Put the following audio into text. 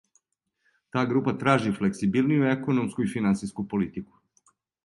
Та група тражи флексибилнију економску и финансијску политику.